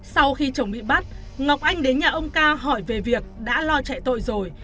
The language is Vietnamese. sau khi chồng bị bắt ngọc anh đến nhà ông ca hỏi về việc đã lo chạy tội rồi